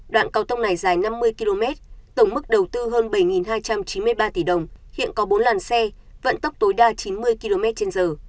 đoạn cao tốc này dài năm mươi km tổng mức đầu tư hơn bảy hai trăm chín mươi ba tỷ đồng hiện có bốn làn xe vận tốc tối đa chín mươi km trên giờ